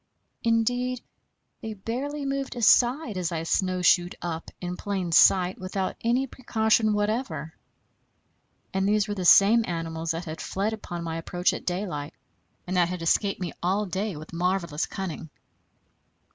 Indeed, they barely moved aside as I snowshoed up, in plain sight, without any precaution whatever. And these were the same animals that had fled upon my approach at daylight, and that had escaped me all day with marvelous cunning.